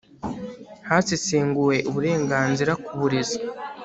hasesenguwe uburenganzira ku burezi